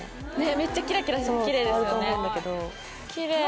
めっちゃキラキラしてキレイですよね。